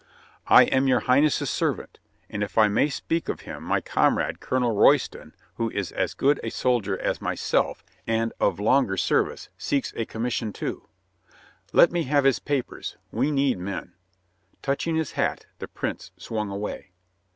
"I am your Highness' servant — and, if I may speak of him, my comrade. Colonel Royston, who is ii6 COLONEL GREATHEART as good a soldier as myself and of longer service, seeks a commission, too." "Let me have his papers. We need men." Touching his hat, the Prince swung away.